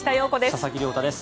佐々木亮太です。